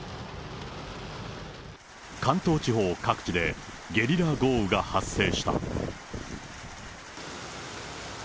関東地方各地で、ゲリラ豪雨が発生した。